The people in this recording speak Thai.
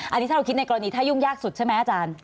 อันนี้ถ้าเราคิดในกรณีถ้ายุ่งยากสุดใช่ไหมอาจารย์